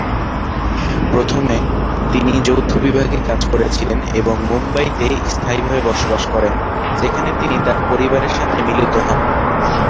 প্রথমে, তিনি যৌথ বিভাগে কাজ করেছিলেন এবং মুম্বাইতে স্থায়ীভাবে বসবাস করেন, যেখানে তিনি তার পরিবারের সাথে মিলিত হন।